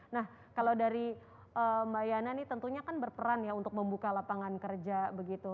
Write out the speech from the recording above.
nah kalau dari mbak yana ini tentunya kan berperan ya untuk membuka lapangan kerja begitu